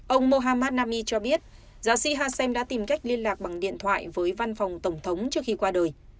ông mohammad nami cho biết giáo sĩ hasem đã tìm cách liên lạc bằng điện thoại với văn phòng tổng thống trước khi qua đời